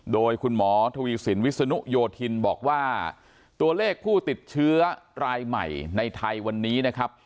โดยคุณหมอทวีสินวิศนุโยธินบอกว่าตัวเลขผู้ติดเชื้อรายใหม่ในไทยวันนี้นะครับ